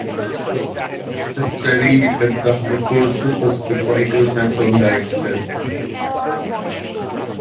She studied at the High Courses for Scriptwriters and Film Directors.